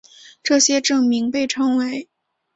这些证明被称为。